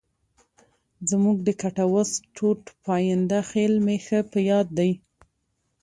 زموږ د کټواز ټوټ پاینده خېل مې ښه په یاد دی.